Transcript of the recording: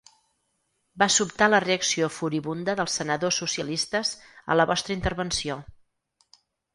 Va sobtar la reacció furibunda dels senadors socialistes a la vostra intervenció.